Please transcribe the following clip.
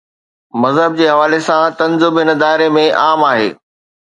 مذهب جي حوالي سان طنز به هن دائري ۾ عام آهي.